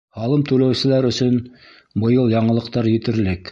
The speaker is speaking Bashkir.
Һалым түләүселәр өсөн быйыл яңылыҡтар етерлек